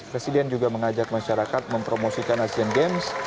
presiden juga mengajak masyarakat mempromosikan asian games